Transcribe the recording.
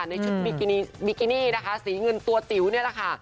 ในชุดบิกินี่นะคะสีเงินตัวจิ๋วนี่แหละค่ะ